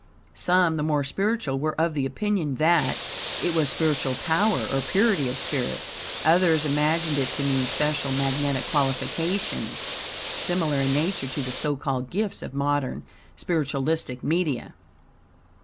Some, the more spiritual, were of the opinion that, it was spiritual power, or purity of spirit; others imagined it to mean special magnetic qualifications, similar in nature to the so called gifts of modern spiritualistic media.